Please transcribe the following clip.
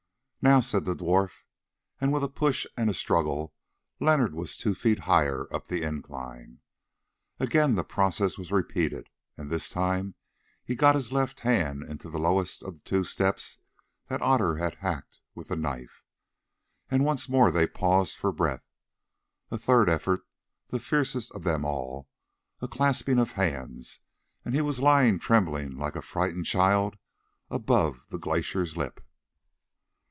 "Now," said the dwarf, and with a push and a struggle Leonard was two feet higher up the incline. Again the process was repeated, and this time he got his left hand into the lowest of the two steps that Otter had hacked with the knife, and once more they paused for breath. A third effort, the fiercest of them all, a clasping of hands, and he was lying trembling like a frightened child above the glacier's lip.